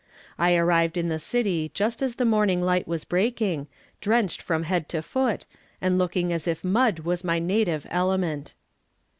I arrived in the city just as the morning light was breaking, drenched from head to foot, and looking as if mud was my native element.